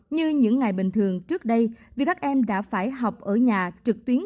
như những ngày bình thường trước đây vì các em đã phải học ở nhà trực tuyến